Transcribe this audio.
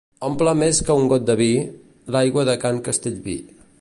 Omple més que un got de vi, l'aigua de can Castellví.